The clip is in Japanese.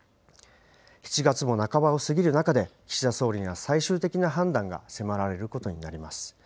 ７月も半ばを過ぎる中で、岸田総理には最終的な判断が迫られることになります。